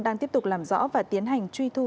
đang tiếp tục làm rõ và tiến hành truy thu